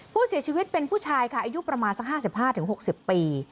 ผู้เสียชีวิตเป็นผู้ชายค่ะอายุประมาณสัก๕๕๖๐ปี